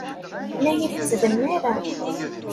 La iyi-tettdemmirem.